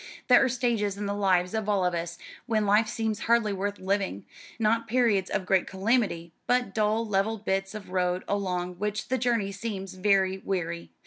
There are stages in the lives of all of us when life seems hardly worth living: not periods of great calamity, but dull level bits of road along which the journey seems very weary.